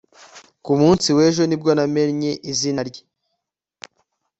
ku munsi w'ejo ni bwo namenye izina rye